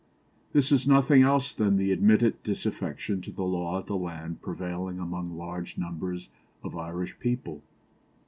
This is nothing else than the admitted disaffection to the law of the land prevailing among large numbers of Irish people.